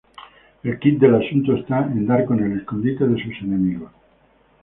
El quid del asunto está en dar con el escondite de sus enemigos.